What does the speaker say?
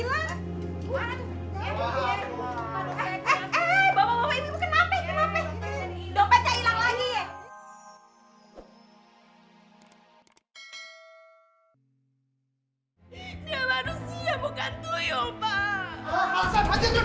berani coba sentuh anak saya